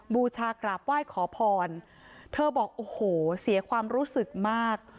บูชากราบไหว้ขอพรเธอบอกโอ้โหเสียความรู้สึกมาก